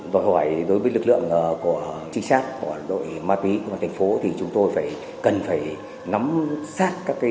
tôi hỏi đối với lực lượng của chính xác của đội ma túy của thành phố thì chúng tôi cần phải nắm sát các cái